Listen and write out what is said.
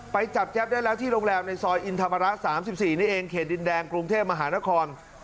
ไปจับแจ๊บได้แล้วที่โรงแรมในซอยอินธรรมระ๓๔นี่เองเขตดินแดงกรุงเทพมหานคร